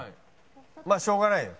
まあしょうがないよ。